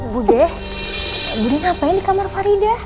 bude bude ngapain di kamar farida